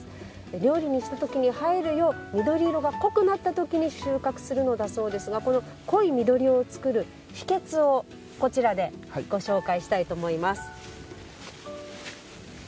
料理にしたときに映えるよう緑色が濃くなったときに収穫するのだそうですが濃い緑色を作る秘けつをこちらでご紹介したいと思います。